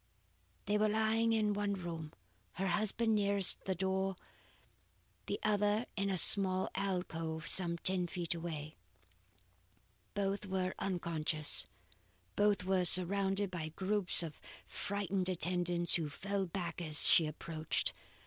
'" They were lying in one room, her husband nearest the door, the other in a small alcove some ten feet away. Both were unconscious; both were surrounded by groups of frightened attendants who fell back as she approached.